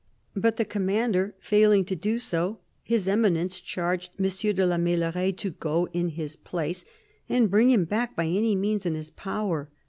But the Commander failing to do so. His Eminence charged M. de la Meilleraye to go in his turn, and to bring him back by any means in his power.